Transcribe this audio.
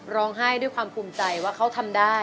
ร้องไห้ด้วยความภูมิใจว่าเขาทำได้